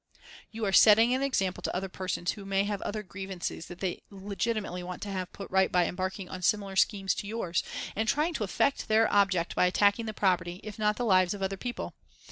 "You are setting an example to other persons who may have other grievances that they legitimately want to have put right by embarking on a similar scheme to yours, and trying to effect their object by attacking the property, if not the lives, of other people.